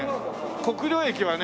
国領駅はね